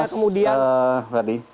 begitu mas tadi